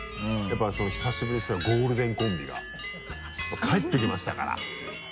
やっぱ久しぶりにゴールデンコンビが帰ってきましたから。